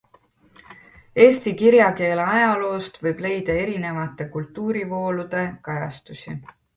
Eesti kirjakeele ajaloost võib leida erinevate kultuurivoolude kajastusi.